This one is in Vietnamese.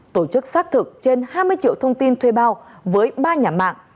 tổ chức xác thực trên hai mươi triệu thông tin thuê bao với ba nhà mạng